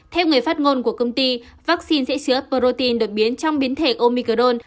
theo người phát ngôn của công ty vaccine sẽ sửa protein được biến trong biến thể omicron